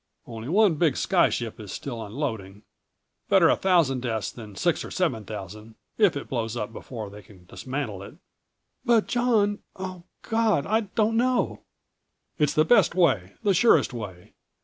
Only one big sky ship is still unloading. Better a thousand deaths than six or seven thousand ... if it blows up before they can dismantle it." "But John Oh, God, I don't know." "It's the best way, the surest way.